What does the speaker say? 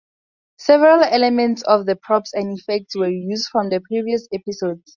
Several elements of the props and effects were re-used from previous episodes.